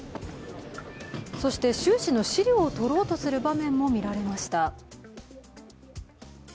そして、習氏の資料を取ろうとする場面も見られました。